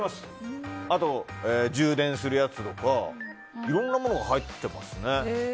あと、充電するやつとかいろんなものが入ってますね。